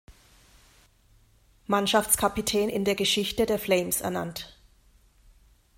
Mannschaftskapitän in der Geschichte der Flames ernannt.